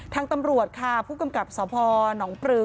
ทางตำรวจค่ะผู้กำกัดมศพหนองปรือ